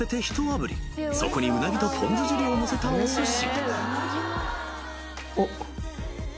［そこにうなぎとポン酢ジュレをのせたおすし］